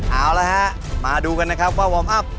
เอาละฮะมาดูกันนะครับว่าวอร์มอัพ